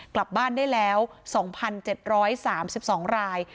กลับบ้านได้แล้ว๒๗๓๒ราย